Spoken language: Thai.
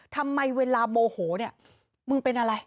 ทำไมเวลาโมโหเนี่ยมึงเป็นอะไร